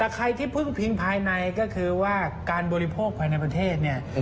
แต่ใครที่พึ่งพิงภายในก็คือว่าการบริโภคภายในประเทศเนี่ย